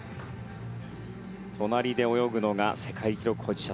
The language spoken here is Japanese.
隣で泳ぐのが世界記録保持者